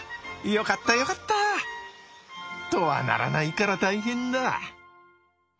よかったよかった！とはならないから大変だ。